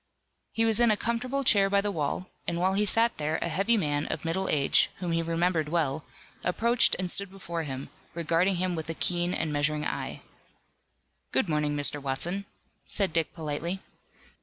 He was in a comfortable chair by the wall, and while he sat there a heavy man of middle age, whom he remembered well, approached and stood before him, regarding him with a keen and measuring eye. "Good morning, Mr. Watson," said Dick politely.